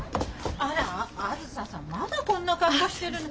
あづささんまだこんな格好してるの？